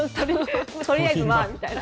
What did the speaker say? とりあえずまあみたいな。